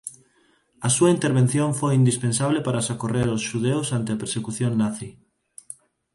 A súa intervención foi indispensable para socorrer ós xudeus ante a persecución nazi.